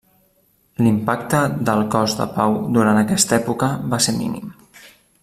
L'impacte del Cos de Pau durant aquesta època va ser mínim.